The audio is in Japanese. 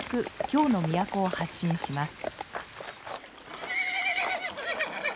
京の都を発進します。